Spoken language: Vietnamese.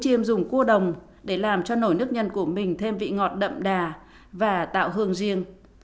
chiêm dùng cua đồng để làm cho nổi nước nhân của mình thêm vị ngọt đậm đà và tạo hương riêng